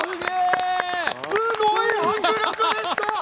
すごい迫力でした！